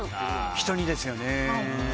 人にですよね。